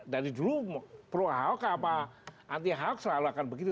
dari dulu pro aho ke apa anti aho selalu akan begitu